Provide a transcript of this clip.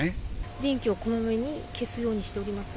電気をこまめに消すようにしております。